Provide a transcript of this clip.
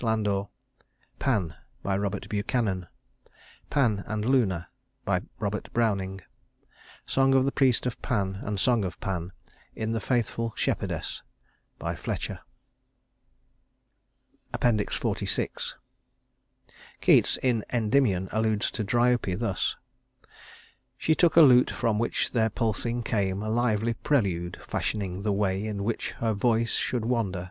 LANDOR Pan ROBERT BUCHANAN Pan and Luna ROBERT BROWNING Song of the Priest of Pan and Song of Pan in "The Faithful Shepherdess" FLETCHER XLVI Keats in "Endymion" alludes to Dryope thus: "She took a lute from which there pulsing came A lively prelude, fashioning the way In which her voice should wander.